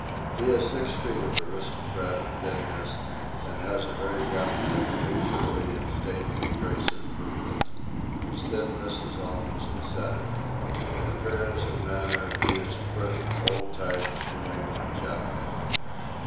He is six feet of aristocratic thinness, and has a very definite, leisurely and stately grace of movement. His thinness is almost ascetic. In appearance and manner he is the perfect old type New England gentleman.